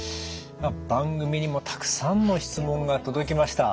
番組にもたくさんの質問が届きました。